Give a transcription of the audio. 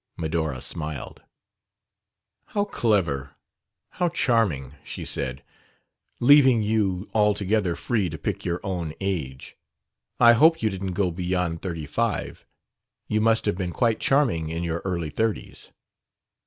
Medora smiled. "How clever; how charming!" she said. "Leaving you altogether free to pick your own age. I hope you didn't go beyond thirty five. You must have been quite charming in your early thirties."